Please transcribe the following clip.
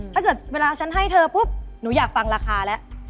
ถ้าเกิดเวลาฉันให้เธอปุ๊บหนูอยากฟังราคาแล้ว